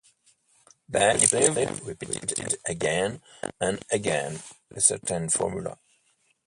Then he perceived, repeated again and again, a certain formula.